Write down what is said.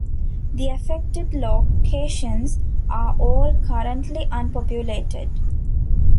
The affected locations are all currently unpopulated.